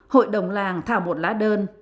hội đồng làng thảo một lá đơn